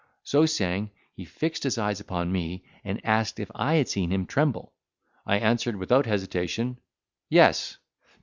So saying, he fixed his eyes upon me, and asked if I had seen him tremble? I answered without hesitation, "Yes."